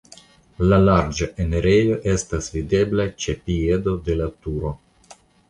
La larĝa enirejo estas videbla ĉe piedo de la turo.